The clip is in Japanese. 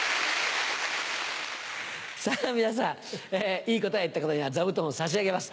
皆さんいい答えを言った方には座布団を差し上げます。